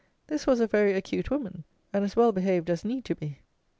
This was a very acute woman, and as well behaved as need to be.